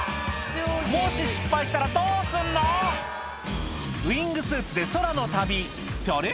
もし失敗したらどうすんの⁉ウイングスーツで空の旅ってあれ？